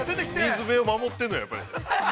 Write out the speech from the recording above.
◆水辺を守っているのよ、やっぱり。